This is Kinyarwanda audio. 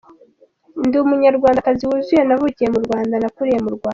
Ati “Ndi Umunyarwandakazi wuzuye, navukiye mu Rwanda, nakuriye mu Rwanda.